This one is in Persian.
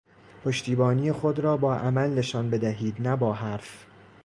پشتیبانی خود را با عمل نشان بدهید نه با حرف